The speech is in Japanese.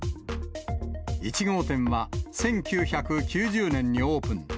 １号店は１９９０年にオープン。